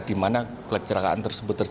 di mana kelecerakaan tersebut terjadi